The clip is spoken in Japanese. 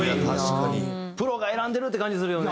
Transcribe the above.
プロが選んでるって感じするよね。